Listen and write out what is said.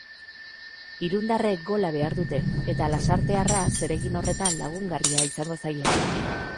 Irundarrek gola behar dute, eta lasartearra zer egin horretan lagungarria izango zaie.